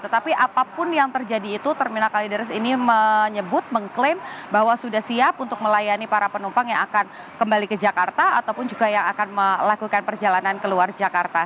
tetapi apapun yang terjadi itu terminal kalideres ini menyebut mengklaim bahwa sudah siap untuk melayani para penumpang yang akan kembali ke jakarta ataupun juga yang akan melakukan perjalanan keluar jakarta